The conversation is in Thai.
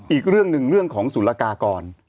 อีกเรื่องหนึ่งเรื่องของสุรกากร